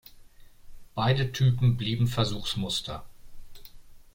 Beide Typen blieben Versuchsmuster.